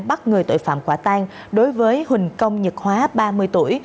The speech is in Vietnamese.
bắt người tội phạm quả tan đối với huỳnh công nhật hóa ba mươi tuổi